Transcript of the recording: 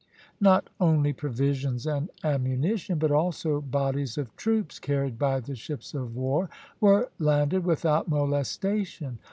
Not only provisions and ammunition, but also bodies of troops carried by the ships of war, were landed without molestation.